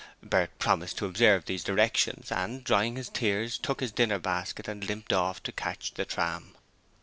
Bert promised to observe these directions, and, drying his tears, took his dinner basket and limped off to catch the tram.